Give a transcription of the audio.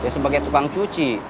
sebagai tukang cuci